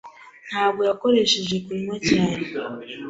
ntabwo yakoresheje kunywa cyane.